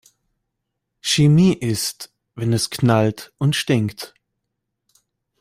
Chemie ist, wenn es knallt und stinkt.